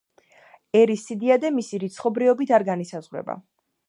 ერის სიდიადე, მისი რიცხობრიობით არ განისაზღვრება.